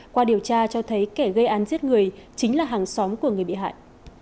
qua điều tra cho thấy kẻ gây án giết người chính là hàng xóm của người bị hại